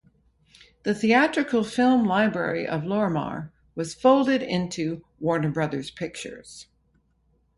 The theatrical film library of Lorimar was folded into Warner Brothers Pictures.